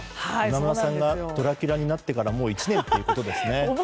今村さんがドラキュラになってからもう１年ってことですね。